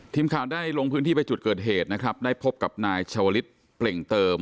ทีมข่าวได้ลงพื้นที่ไปจุดเกิดเหตุนะครับได้พบกับนายชาวลิศเปล่งเติม